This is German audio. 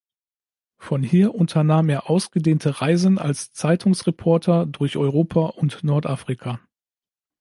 Von hier unternahm er ausgedehnte Reisen als Zeitungsreporter durch Europa und Nordafrika.